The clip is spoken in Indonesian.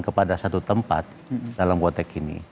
kepada satu tempat dalam konteks ini